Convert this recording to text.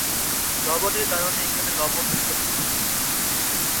লবণের কারণে এখানে লবণ বিপ্লব ঘটে।